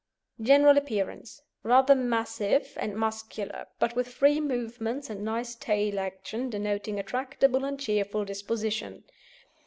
GENERAL APPEARANCE Rather massive and muscular, but with free movements and nice tail action denoting a tractable and cheerful disposition.